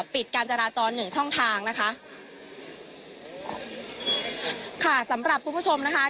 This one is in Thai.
ปิดการจราจรหนึ่งช่องทางนะคะค่ะสำหรับคุณผู้ชมนะคะ